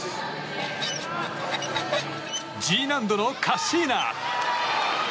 Ｇ難度のカッシーナ。